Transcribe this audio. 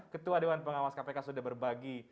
ketua dewan pengawas kpk sudah berbagi